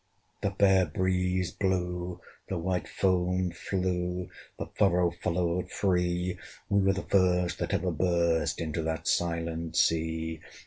The fair breeze blew, the white foam flew, The furrow followed free: We were the first that ever burst Into that silent sea.